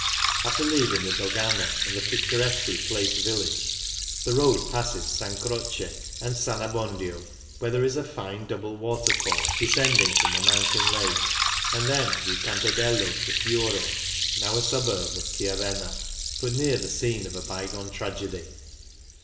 After leaving the dogana and the picturesquely placed village the road passes S. Croce and S. Abbondio, where there is a fine double waterfall descending from a mountain lake, and then through Campedello to Piuro, now a suburb of Chiavenna, but near the scene of a by gone tragedy.